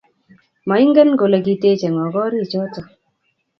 Moingen kole kiteche ngo gorichoto